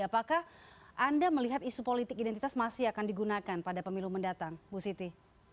apakah anda melihat isu politik identitas masih akan digunakan pada pemilu mendatang ibu siti